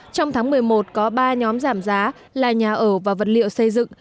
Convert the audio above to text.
trong tháng một mươi một có ba nhóm giảm giá là nhà ở và vật liệu xây dựng